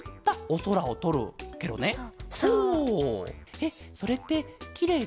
えっそれってきれいケロ？